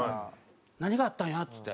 「何があったんや？」っつって。